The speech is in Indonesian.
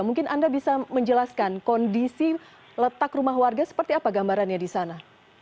mungkin anda bisa menjelaskan kondisi letak rumah warga seperti apa gambarannya di sana